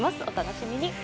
お楽しみに。